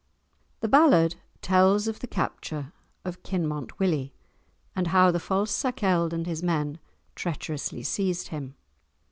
The ballad tells of the capture of Kinmont Willie, and how the false Sakelde and his men treacherously seized him.